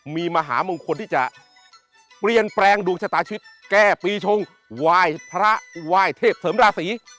มีมหามงคลที่จะเปลี่ยนแปลงดวงชะตาชีวิตแก้ปีชงไหว้พระไหว้เทพเสริมราศี